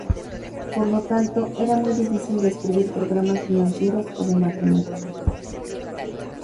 Por lo tanto era muy difícil de escribir programas financieros o de matemáticas.